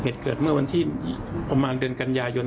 เหตุเกิดเมื่อวันที่ประมาณเดือนกันยายน